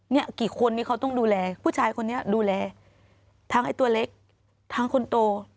เนี่ยกี่คนนี้เขาต้องดูแลผู้ชายคนนี้ดูแลทั้งไอ้ตัวเล็กทั้งคนโต